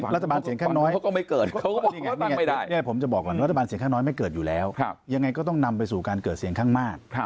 รัฐบาลเสียงข้างน้อยไม่เกิดอยู่แล้วยังไงก็ต้องนำไปสู่การเกิดเสียงข้างมาก